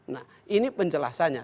nah ini penjelasannya